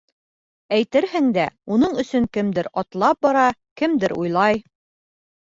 Әйтерһең дә, уның өсөн кемдер атлап бара, кемдер уйлай.